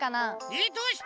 えっどうして？